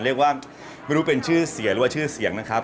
เรียกว่าไม่รู้เป็นชื่อเสียหรือว่าชื่อเสียงนะครับ